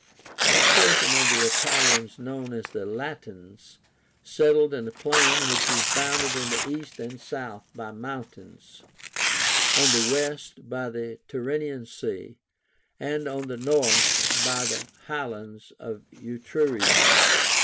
That portion of the Italians known as the LATINS settled in a plain which is bounded on the east and south by mountains, on the west by the Tyrrhenian Sea, and on the north by the high lands of Etruria.